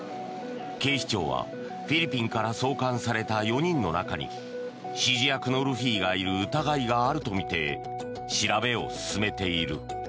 警視庁はフィリピンから送還された４人の中に指示役のルフィがいる疑いがあるとみて調べを進めている。